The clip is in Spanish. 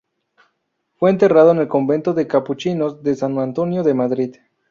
Fue enterrado en el convento de capuchinos de San Antonio de Madrid.